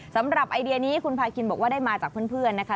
สำหรับไอเดียนี้คุณพาคินบอกว่าได้มาจากเพื่อนนะคะ